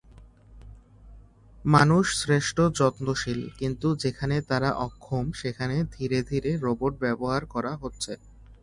মানুষ শ্রেষ্ঠ যত্নশীল কিন্তু যেখানে তারা অক্ষম সেখানে ধীরে ধীরে রোবট ব্যবহার করা হচ্ছে।